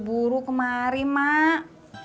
buruk kemari mak